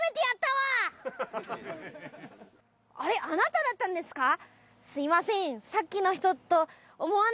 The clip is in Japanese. あなただったんですか？